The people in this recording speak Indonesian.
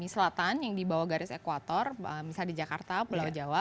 yang di selatan yang di bawah garis ekwator misalnya di jakarta pulau jawa